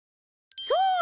そうだ！